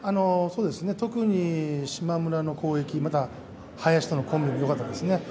特に島村の攻撃、林とのコンビもよかったですね。